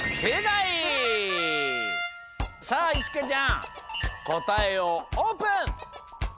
さあいちかちゃんこたえをオープン！